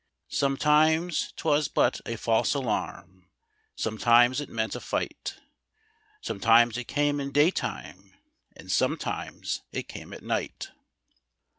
Sometimes 'twas but a false alarm, sometimes it meant a tight; Sometimes it came in daytime, and sometimes it came at night."